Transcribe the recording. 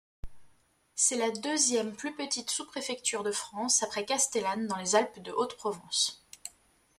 C'est la deuxième plus petite sous-préfecture de France après Castellane dans les Alpes-de-Haute-Provence.